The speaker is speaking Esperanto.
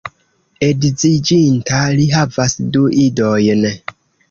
Edziĝinta, li havas du idojn.